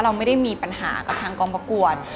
เราไม่ได้มีปัญหากับทางกองประกวด